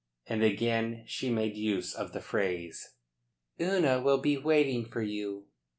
And again she made use of the phrase: "Una will be waiting for you."